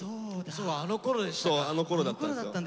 そうあのころだったんですよ。